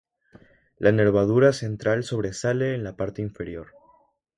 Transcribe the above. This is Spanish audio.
La nervadura central sobresale en la parte inferior.